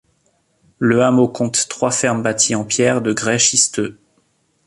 Le hameau compte trois fermes bâties en pierre de grès schisteux.